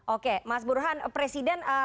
oke mas buruhan presiden